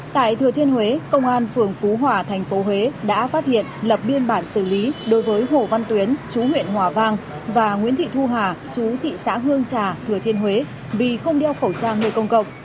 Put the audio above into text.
tại thừa thiên huế công an phường phú hòa thành phố huế đã phát hiện lập biên bản xử lý đối với hồ văn tuyến chú huyện hòa vang và nguyễn thị thu hà chú thị xã hương trà thừa thiên huế vì không đeo khẩu trang nơi công cộng